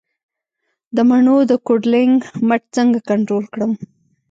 د مڼو د کوډلینګ مټ څنګه کنټرول کړم؟